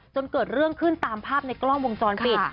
จนเกิดเรื่องขึ้นตามภาพในกล้องวงจรปิด